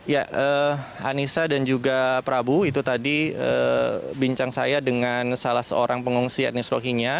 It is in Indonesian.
ya anissa dan juga prabu itu tadi bincang saya dengan salah seorang pengungsi etnis rohingya